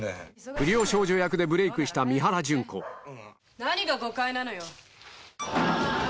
不良少女役でブレイクした三原じゅん子何が誤解なのよ。